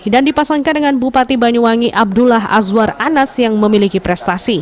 dan dipasangkan dengan bupati banyuwangi abdullah azwar anas yang memiliki prestasi